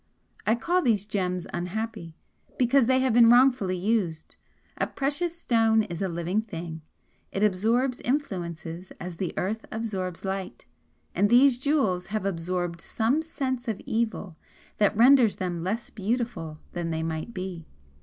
I call these gems 'unhappy' because they have been wrongfully used. A precious stone is a living thing it absorbs influences as the earth absorbs light, and these jewels have absorbed some sense of evil that renders them less beautiful than they might be.